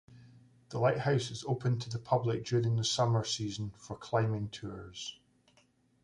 The lighthouse is open to the public during the summer season for climbing tours.